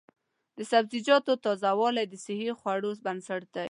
د سبزیجاتو تازه والي د صحي خوړو بنسټ دی.